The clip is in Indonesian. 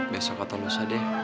besok atau masa deh